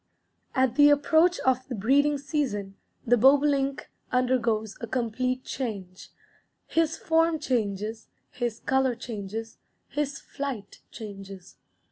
_" At the approach of the breeding season the bobolink undergoes a complete change; his form changes, his color changes, his flight changes.